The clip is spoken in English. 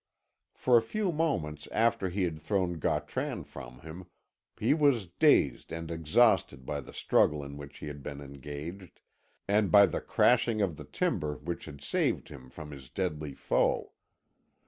For a few moments after he had thrown Gautran from him he was dazed and exhausted by the struggle in which he had been engaged, and by the crashing of the timber which had saved him from his deadly foe.